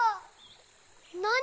なに？